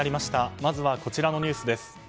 まずこちらのニュースです。